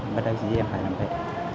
mất đợi gì em phải làm vậy